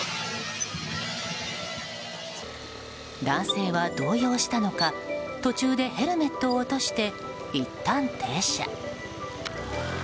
男性は動揺したのか途中でヘルメットを落としていったん停車。